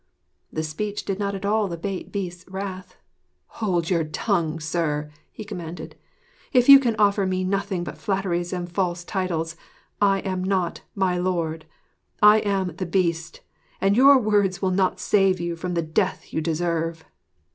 This speech did not at all abate the Beast's wrath. 'Hold your tongue, sir,' he commanded, 'if you can offer me nothing but flatteries and false titles. I am not "my lord." I am the Beast; and your words will not save you from the death you deserve.'